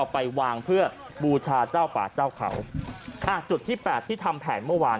ไปวางเพื่อบูชาเจ้าป่าเจ้าเขาอ่าจุดที่แปดที่ทำแผนเมื่อวาน